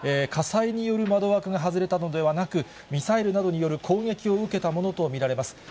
火災による窓枠が外れたのではなく、ミサイルなどによる攻撃を受けたものと見られます。